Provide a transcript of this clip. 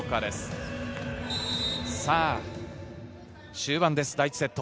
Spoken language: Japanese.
終盤です、第１セット。